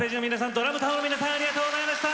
ＤＲＵＭＴＡＯの皆さんありがとうございました！